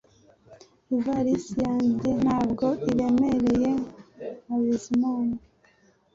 Ivalisi yanjye ntabwo iremereye nka Bizimana